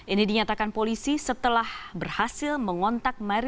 ini dinyatakan polisi setelah berhasil mengontak marilu denli